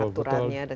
aturannya dan juga